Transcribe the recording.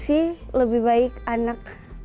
dari ujung rambut sampai ujung kaki itu